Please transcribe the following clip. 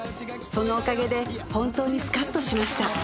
［そのおかげでホントにスカッとしました］